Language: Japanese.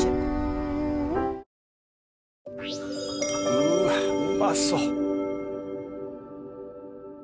うわうまそう。